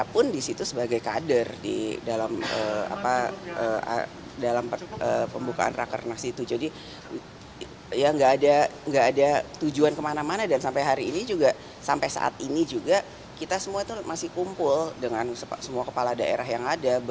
kita semua itu masih kumpul dengan semua kepala daerah yang ada